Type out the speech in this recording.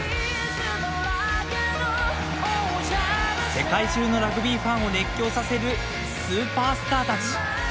世界中のラグビーファンを熱狂させるスーパースターたち。